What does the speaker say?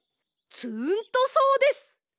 つーんとそうです。